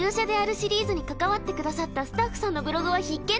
シリーズに関わってくださったスタッフさんのブログは必見です。